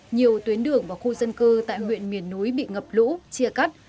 nhiều tuyến đường và khu dân cư tại huyện miền núi bị ngập lũ chia cắt